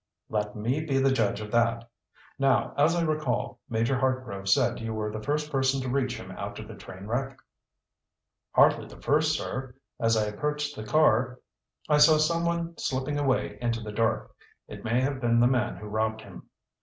"Let me be the judge of that. Now as I recall, Major Hartgrove said you were the first person to reach him after the train wreck." "Hardly the first, sir. As I approached the car, I saw someone slipping away into the dark. It may have been the man who robbed him."